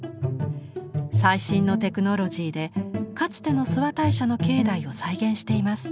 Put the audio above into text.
最新のテクノロジーでかつての諏訪大社の境内を再現しています。